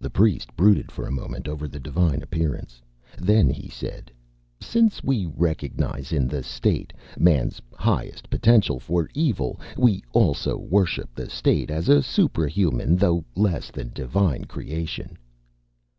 The priest brooded for a moment over the divine appearance. Then he said, "Since we recognize in the State man's highest potential for Evil, we also worship the State as a suprahuman, though less than divine, creation."